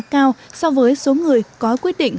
cao so với số người có quyết định